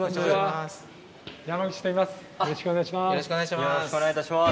よろしくお願いします。